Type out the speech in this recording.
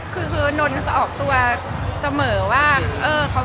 คือนนท์จะออกตัวเสมอว่า